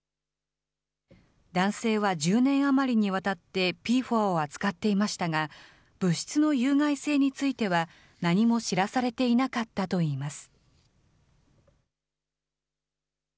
男性は１０年余りにわたってＰＦＯＡを扱っていましたが、物質の有害性については何も知らされていなかったといいます。